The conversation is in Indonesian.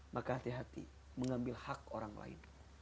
maka hati hati mengambil hak orang lain